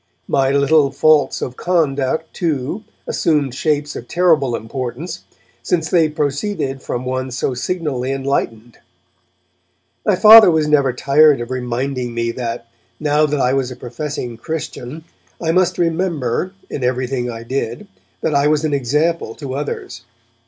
My little faults of conduct, too, assumed shapes of terrible importance, since they proceeded from one so signally enlightened. My Father was never tired of reminding me that, now that I was a professing Christian, I must remember, in everything I did, that I was an example to others.